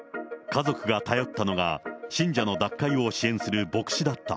家族が頼ったのが、信者の脱会を支援する牧師だった。